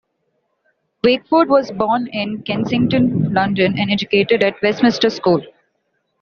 Wakeford was born in Kensington, London, and educated at Westminster School.